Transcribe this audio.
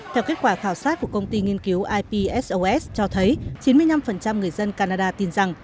theo kết quả khảo sát của công ty nghiên cứu ipsos cho thấy chín mươi năm người dân canada tin rằng